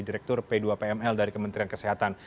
direktur p dua pml dari kementerian kesehatan